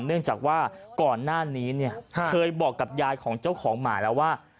เนื่องจากว่าก่อนหน้านี้เนี่ยเคยบอกกับยายของเจ้าของหมาแล้วว่า